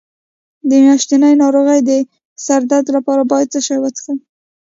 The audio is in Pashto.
د میاشتنۍ ناروغۍ د سر درد لپاره باید څه شی وڅښم؟